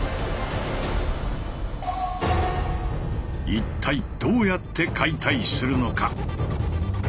一体どうやって解体するのか？